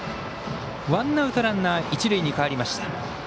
ワンアウト、ランナー、一塁に変わりました。